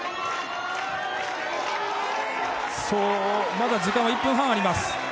まだ時間は１分半あります。